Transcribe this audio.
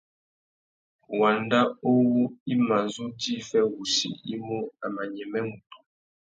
Wanda uwú i mà zu djï fê wussi i mú, a mà nyême mutu.